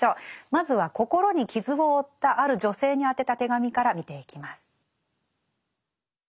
まずは心に傷を負ったある女性に宛てた手紙から見ていきます。